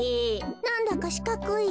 なんだかしかくい。